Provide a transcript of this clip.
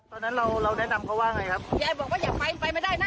ตอนนั้นเราเราแนะนำเขาว่าไงครับคุณยายบอกว่าอย่าไปไปไม่ได้นะ